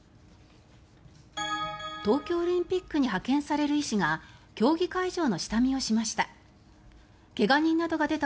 東京オリンピックに派遣される医師が競技会場の下見をしました。